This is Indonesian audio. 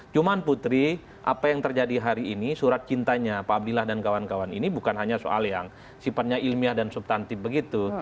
cuman putri apa yang terjadi hari ini surat cintanya pak abdillah dan kawan kawan ini bukan hanya soal yang sifatnya ilmiah dan subtantif begitu